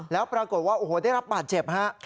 แล้วปรากฏว่าโอ้โหได้รับบาดเจ็บฮะ